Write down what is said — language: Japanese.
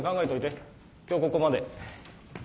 今日ここまで。